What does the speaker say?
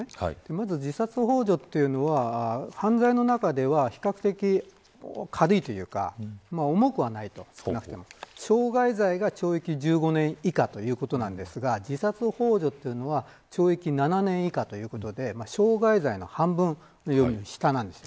まず自殺ほう助というのは犯罪の中では比較的軽いというか重くはない、少なくとも。傷害罪が懲役１５年以下ということなんですが自殺ほう助というのは懲役７年以下ということで傷害罪の半分より下なんです。